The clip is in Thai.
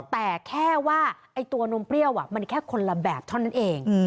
แต่แค่ว่าตัวนมเปรี้ยวมันแค่คนละแบบเท่านั้นเอง